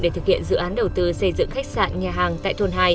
để thực hiện dự án đầu tư xây dựng khách sạn nhà hàng tại thôn hai